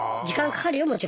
時間かかるよ